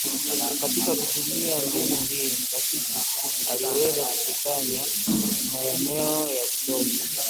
Katika kutumia mbinu hii mtafiti aliweza kukusanya maneno ya kutosha